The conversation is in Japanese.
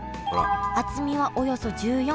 厚みはおよそ１４ミリ。